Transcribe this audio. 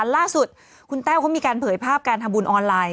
ล่าสุดคุณแต้วเขามีการเผยภาพการทำบุญออนไลน์